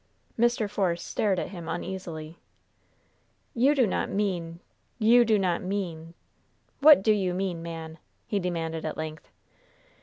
Mr. Force stared at him uneasily. "You do not mean you do not mean What do you mean, man?" he demanded at length.